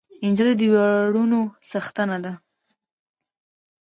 نجلۍ د ویاړونو څښتنه ده.